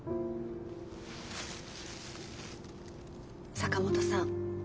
坂本さん